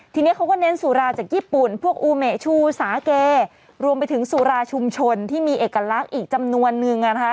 ทีนี้เขาก็เน้นสุราจากญี่ปุ่นพวกอูเมชูสาเกรวมไปถึงสุราชุมชนที่มีเอกลักษณ์อีกจำนวนนึง